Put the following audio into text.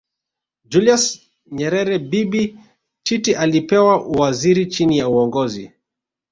Julius Nyerere Bibi Titi alipewa uwaziri chini ya Uongozi